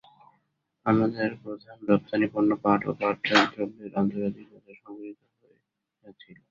আমাদের প্রধান রপ্তানিপণ্য পাট ও পাটজাত দ্রব্যের আন্তর্জাতিক বাজার সংকুচিত হয়ে যাচ্ছিল।